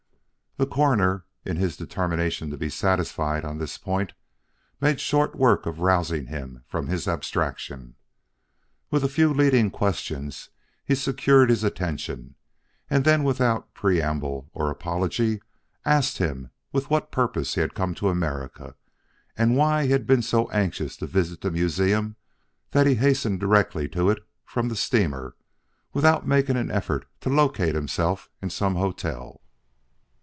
The Coroner, in his determination to be satisfied on this point, made short work of rousing him from his abstraction. With a few leading questions he secured his attention and then without preamble or apology asked him with what purpose he had come to America and why he had been so anxious to visit the museum that he hastened directly to it from the steamer without making an effort to locate himself in some hotel.